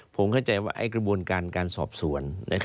ผมเข้าใจว่ากระบวนการการสอบสวน